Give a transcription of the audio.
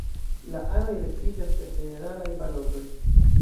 La anoj elektiĝas per ĝeneralaj balotoj.